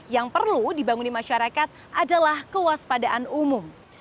yang perlu dibangunin masyarakat adalah kewaspadaan umum